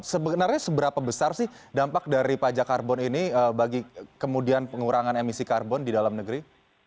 sebenarnya seberapa besar sih dampak dari pajak karbon ini bagi kemudian pengurangan emisi karbon di dalam negeri